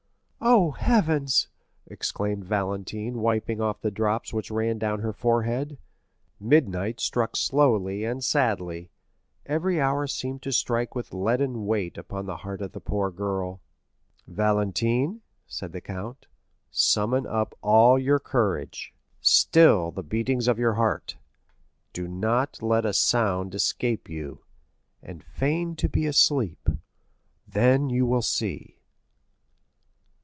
"Oh, heavens," exclaimed Valentine, wiping off the drops which ran down her forehead. Midnight struck slowly and sadly; every hour seemed to strike with leaden weight upon the heart of the poor girl. "Valentine," said the count, "summon up all your courage; still the beatings of your heart; do not let a sound escape you, and feign to be asleep; then you will see."